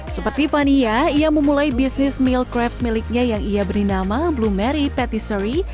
seperti fania ia memulai bisnis milk crepes miliknya yang ia bernama blue mary patisserie